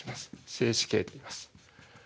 静止系といいます。